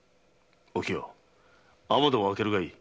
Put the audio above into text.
お清雨戸を開けるがいい。